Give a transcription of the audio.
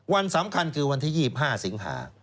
วันสำคัญคือวันที่๒๕สิงหา